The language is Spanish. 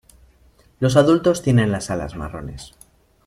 Los adultos tienen las alas marrones.